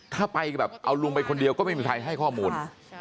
ถ้าไปแบบเอาลุงไปคนเดียวก็ไม่มีใครให้ข้อมูล